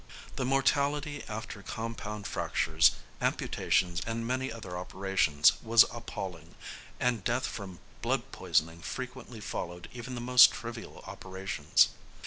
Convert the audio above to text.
The mortality after compound fractures, amputations, and many other operations was appalling, and death from blood poisoning frequently followed even the most trivial operations.